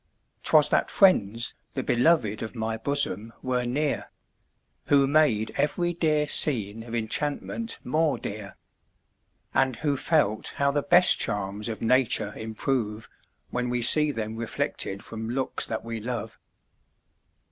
'Twas that friends, the beloved of my bosom, were near, Who made every dear scene of enchantment more dear, And who felt how the best charms of nature improve, When we see them reflected from looks that we love.